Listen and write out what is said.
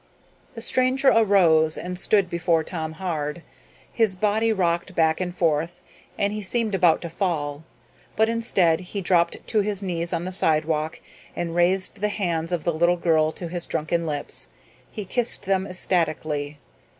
The stranger arose and stood before Tom Hard. His body rocked back and forth and he seemed about to fall, but instead he dropped to his knees on the sidewalk and raised the hands of the little girl to his drunken lips. He kissed them ecstatically.